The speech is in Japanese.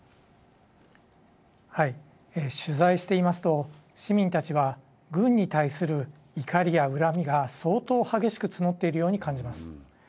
取材していますと市民たちは軍に対する怒りや恨みが相当、激しく募っているように感じます。